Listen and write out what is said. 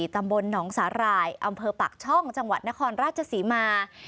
ตำบลหนองสาหร่ายอำเภอปากช่องจังหวัดนครราชศรีมา